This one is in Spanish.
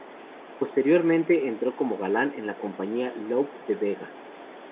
Posteriormente entró como galán, en la compañía Lope de Vega.